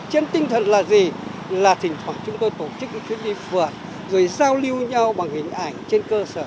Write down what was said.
trên tinh thần là gì là thỉnh thoảng chúng tôi tổ chức những chuyến đi phượt rồi giao lưu nhau bằng hình ảnh trên cơ sở